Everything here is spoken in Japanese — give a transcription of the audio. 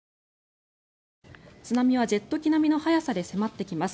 津波はジェット機並みの速さで迫ってきます。